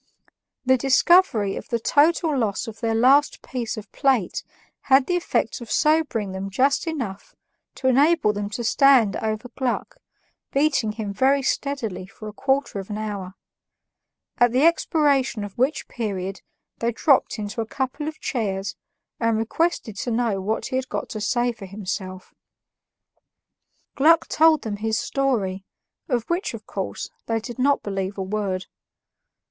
The discovery of the total loss of their last piece of plate had the effect of sobering them just enough to enable them to stand over Gluck, beating him very steadily for a quarter of an hour; at the expiration of which period they dropped into a couple of chairs and requested to know what he had got to say for himself. Gluck told them his story, of which, of course, they did not believe a word.